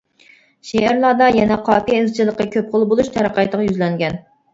شېئىرلاردا يەنە قاپىيە ئىزچىللىقى كۆپ خىل بولۇش تەرەققىياتىغا يۈزلەنگەن.